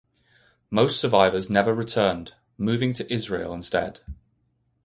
Most survivors never returned, moving to Israel instead.